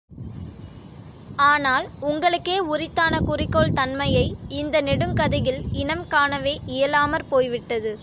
ஆனால் உங்களுக்கே உரித்தான குறிக்கோள் தன்மை யை இந்த நெடுங்கதையில் இனம் காணவே இயலாமற் போய்விட்டது!